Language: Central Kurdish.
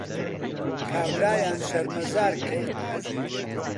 کابرایان شەرمەزار کرد